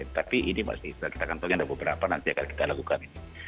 tapi ini masih kita akan tahu ada beberapa nanti akan kita lakukan ini